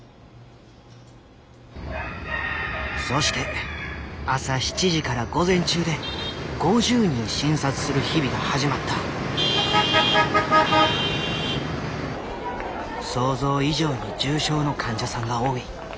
そして朝７時から午前中で５０人診察する日々が始まった想像以上に重症の患者さんが多い。